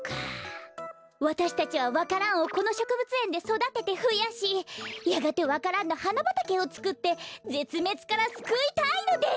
わたしたちはわか蘭をこのしょくぶつえんでそだててふやしやがてわか蘭のはなばたけをつくってぜつめつからすくいたいのです。